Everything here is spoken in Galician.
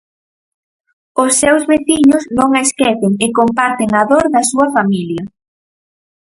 Os seus veciños non a esquecen e comparten a dor da súa familia.